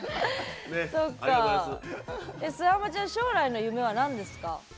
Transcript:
すあまちゃん将来の夢は何ですか？